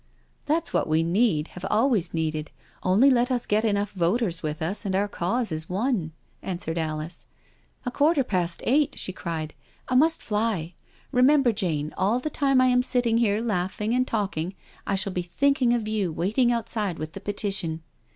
" That's what we need — ^have always needed. Only let us get enough voters with us and our Cause is won," answered Alice. "A quarter past eight I" she cried, " I must fly. Remember, Jane, all the time I am sitting here laughing and talking I shall be thinking of you waiting outside with the Petition."